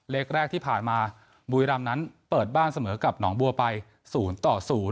เลขแรกที่ผ่านมาบุรีรำนั้นเปิดบ้านเสมอกับหนองบัวไป๐ต่อ๐